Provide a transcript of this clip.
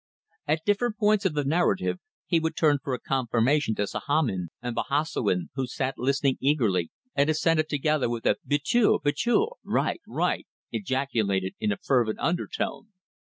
At different points of the narrative he would turn for confirmation to Sahamin and Bahassoen, who sat listening eagerly and assented together with a "Betul! Betul! Right! Right!" ejaculated in a fervent undertone.